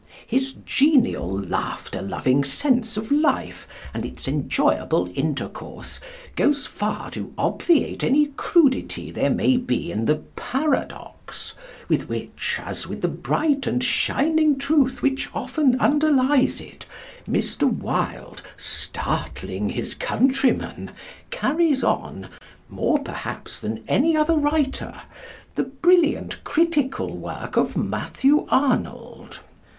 His genial, laughter loving sense of life and its enjoyable intercourse, goes far to obviate any crudity there may be in the paradox, with which, as with the bright and shining truth which often underlies it, Mr. Wilde, startling his "countrymen," carries on, more perhaps than any other writer, the brilliant critical work of Mathew Arnold.